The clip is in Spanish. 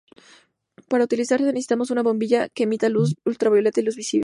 Para utilizarlos necesitamos una bombilla que emita luz ultravioleta y luz visible.